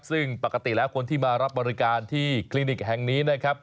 ซึ่งปกติแล้วคนที่มารับบริการที่คลินิกแห่งนี้นะครับ